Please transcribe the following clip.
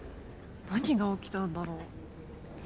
何が起きたんだろう？